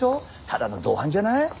ただの同伴じゃない？